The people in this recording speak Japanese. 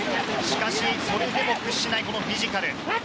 しかし、それでも屈しないフィジカル。